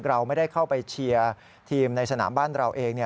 เราไม่ได้เข้าไปเชียร์ทีมในสนามบ้านเราเอง